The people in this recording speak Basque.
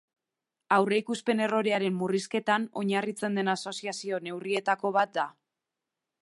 Aurreikuspen errorearen murrizketan oinarritzen den asoziazio neurrietako bat da.